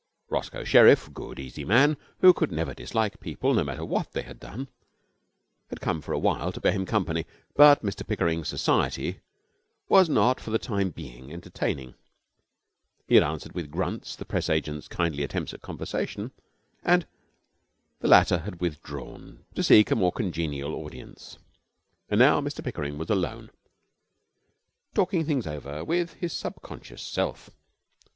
Roscoe Sherriff, good, easy man, who could never dislike people, no matter what they had done, had come for a while to bear him company; but Mr Pickering's society was not for the time being entertaining. He had answered with grunts the Press agent's kindly attempts at conversation, and the latter had withdrawn to seek a more congenial audience. And now Mr Pickering was alone, talking things over with his subconscious self.